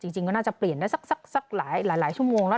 จริงก็น่าจะเปลี่ยนได้สักหลายชั่วโมงแล้ว